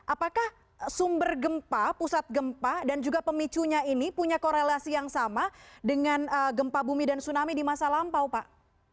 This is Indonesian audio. apakah sumber gempa pusat gempa dan juga pemicunya ini punya korelasi yang sama dengan gempa bumi dan tsunami di masa lampau pak